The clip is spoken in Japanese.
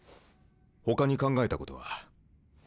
ほかに考えたことは？